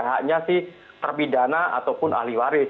haknya si terpidana ataupun ahli waris